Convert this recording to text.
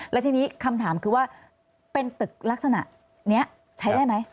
แล้วทีนี้คำถามคือว่าเป็นตึกลักษณะนี้ใช้ได้ไหม